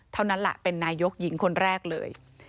เท่านั้นแหละเป็นนายกหญิงคนแรกเลย